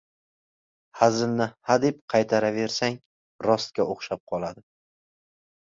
• Hazilni hadeb qaytaraversang rostga o‘xshab qoladi.